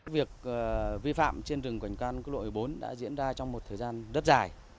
việc vi phạm trên rừng quảnh quan quốc lộ một mươi bốn đã diễn ra trong một thời gian rất dài